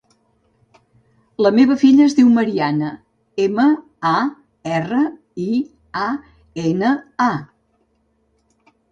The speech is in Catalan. La meva filla es diu Mariana: ema, a, erra, i, a, ena, a.